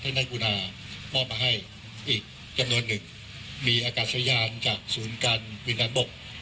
ท่านกุณามอบมาให้อีกจำนวนหนึ่งมีอากาศยานจากศูนย์การบินน้ำบก